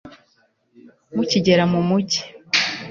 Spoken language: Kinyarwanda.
mukigera mu mugi